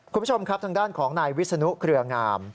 คุณผู้ชมครับทางด้านของนายวิศนุเครืองาม